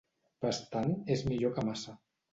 Bastant és millor que massa.